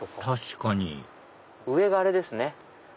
確かに上があれですね